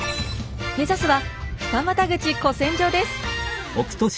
目指すは二股口古戦場です。